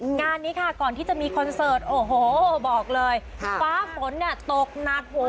งานนี้ค่ะก่อนที่จะมีคอนเสิร์ตโอ้โหบอกเลยฟ้าฝนเนี่ยตกหนัก